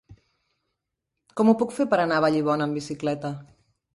Com ho puc fer per anar a Vallibona amb bicicleta?